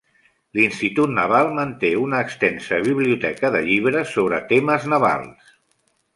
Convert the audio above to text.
L'Institut Naval manté una extensa biblioteca de llibres sobre temes navals.